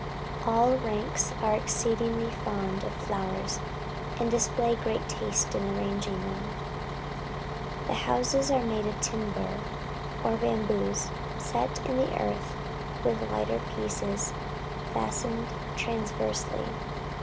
All ranks are exceedingly fond of flowers, and display great taste in arranging them. The houses are made of timbers, or bamboos, set in the earth, with lighter pieces fastened transversely.